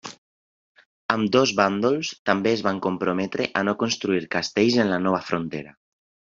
Ambdós bàndols també es van comprometre a no construir castells en la nova frontera.